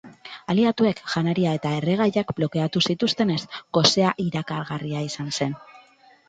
Aliatuek janaria eta erregaiak blokeatu zituztenez, gosea ikaragarria izan zen.